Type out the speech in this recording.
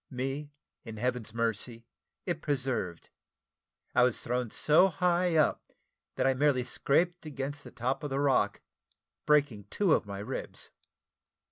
Me, in Heaven's mercy, it preserved: I was thrown so high up, that I merely scraped against the top of the rock, breaking two of my ribs.